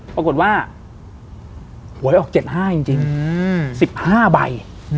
ปรากฏว่าหวยออกเจ็ดห้าจริงจริงสิบห้าใบ